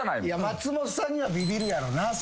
松本さんにはビビるやろな。